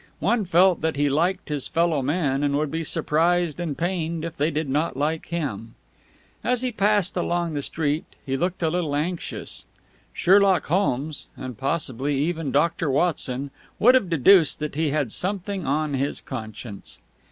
One felt that he liked his follow men and would be surprised and pained if they did not like him. As he passed along the street, he looked a little anxious. Sherlock Holmes and possibly even Doctor Watson would have deduced that he had something on his conscience.